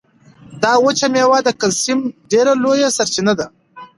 دا وچه مېوه د کلسیم ډېره لویه سرچینه ده.